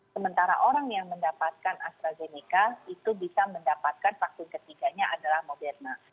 sementara orang yang mendapatkan astrazeneca itu bisa mendapatkan vaksin ketiganya adalah moderna